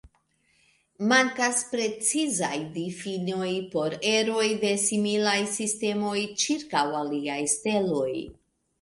Mankas precizaj difinoj por eroj de similaj sistemoj ĉirkaŭ aliaj steloj.